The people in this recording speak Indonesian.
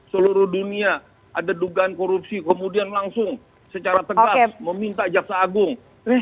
seluruh dunia ada dugaan korupsi kemudian langsung secara tegas meminta jaksa agung